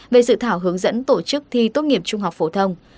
về dự thảo hướng dẫn tổ chức thi tốt nghiệp trung học phổ thông